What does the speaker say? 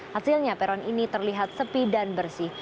hasilnya peron ini terlihat sepi dan bersih